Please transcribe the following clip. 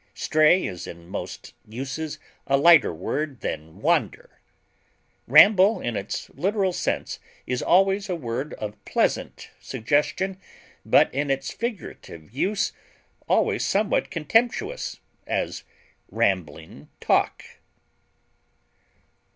Stray is in most uses a lighter word than wander. Ramble, in its literal use, is always a word of pleasant suggestion, but in its figurative use always somewhat contemptuous; as, rambling talk.